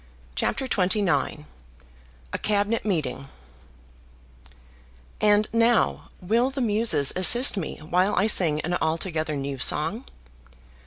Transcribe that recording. CHAPTER XXIX A Cabinet Meeting And now will the Muses assist me while I sing an altogether new song?